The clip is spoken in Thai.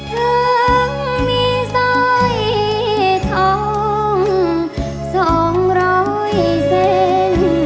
ถึงมีสอยทองสองร้อยเซน